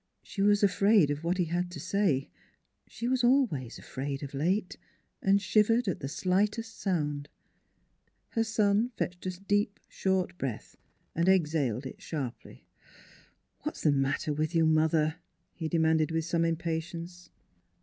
She was afraid of what he had to say. She was always afraid of late, and shivered at the slightest sound. Her son fetched a deep, short breath and ex haled it sharply. "What's the matter with you, mother?" he demanded with some impatience.